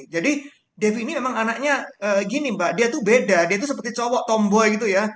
jadi devi ini memang anaknya gini mbak dia tuh beda dia tuh seperti cowok tomboy gitu ya